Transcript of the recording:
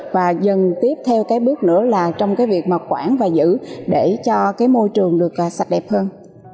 và dần tiếp theo cái bước nữa là trong cái việc mà quản và giữ để cho cái môi trường được sạch đẹp hơn